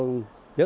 sau trải nghiệm